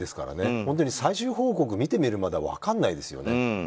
本当に最終報告を見てみるまでは分からないですよね。